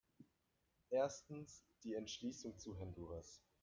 Erstens, die Entschließung zu Honduras.